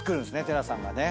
寺さんがね。